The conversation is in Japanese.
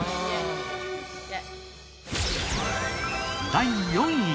第４位。